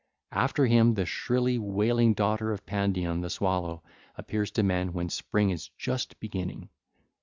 After him the shrilly wailing daughter of Pandion, the swallow, appears to men when spring is just beginning.